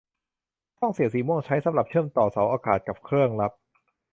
ช่องเสียบสีม่วงใช้สำหรับเชื่อมต่อเสาอากาศกับเครื่องรับ